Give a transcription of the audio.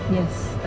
iya itu dia